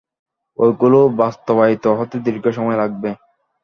এগুলো বাস্তবায়িত হতে দীর্ঘ সময় লাগবে।